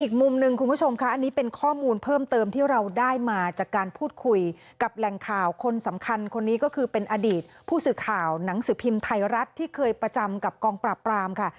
อีกมุมหนึ่งคุณผู้ชมค่ะอันนี้เป็นข้อมูลเพิ่มเติมที่เราได้มาจากการพูดคุยกับแหล่งข่าวคนสำคัญคนนี้ก็คือเป็นอดีตผู้สื่อข่าวหนังสือพิมพ์ไทยรัฐที่เคยประจำกับกองปราบปรามค่ะ